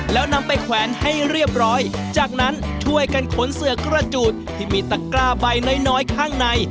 แล้วนำไปแขวนให้เรียบร้อยจากนั้นช่วยกันขนเสือกระจูดที่มีตะกร้าใบน้อยน้อยข้างใน